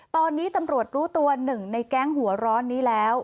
ตอนนี้ตำรวจรู้ตัวหนึ่งในแก๊งหัวร้อนนี้แล้ว